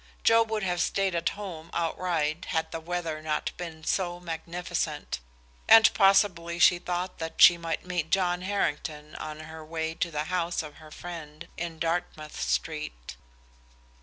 Joe would have stayed at home outright had the weather not been so magnificent, and possibly she thought that she might meet John Harrington on her way to the house of her friend in Dartmouth Street.